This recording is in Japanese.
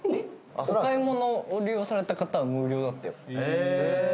お買い物をご利用された方は無料だってよ。